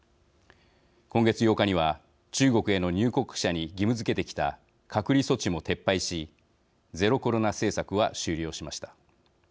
今月８日には、中国への入国者に義務づけてきた隔離措置も撤廃しゼロコロナ政策は終了しました。